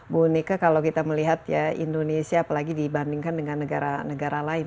bu nika kalau kita melihat ya indonesia apalagi dibandingkan dengan negara negara lain